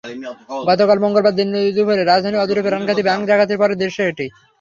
গতকাল মঙ্গলবার দিনেদুপুরে রাজধানীর অদূরে প্রাণঘাতী ব্যাংক ডাকাতির পরের দৃশ্য এটি।